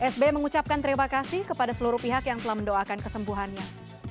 sby mengucapkan terima kasih kepada seluruh pihak yang telah mendoakan kesembuhannya